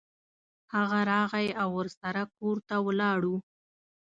هغه راغی او ورسره کور ته ولاړو.